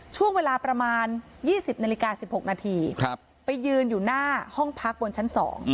ช่วงเวลาประมาณ๒๐นาฬิกา๑๖นาทีไปยืนอยู่หน้าห้องพักบนชั้น๒